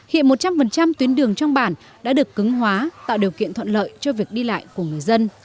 hiện một trăm linh tuyến đường trong bản đã được cứng hóa tạo điều kiện thuận lợi cho việc đi lại của người dân